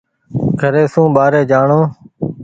گھري سون ٻآري جآڻو۔